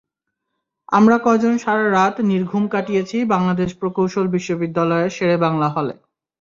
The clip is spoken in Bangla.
আমরা কজন সারা রাত নির্ঘুম কাটিয়েছি বাংলাদেশ প্রকৌশল বিশ্ববিদ্যালয়ের শেরে বাংলা হলে।